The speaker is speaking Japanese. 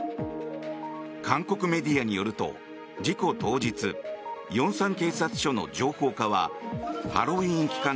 韓国メディアによると事故当日龍山警察署の情報課はハロウィーン期間